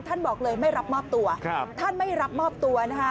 บอกเลยไม่รับมอบตัวท่านไม่รับมอบตัวนะคะ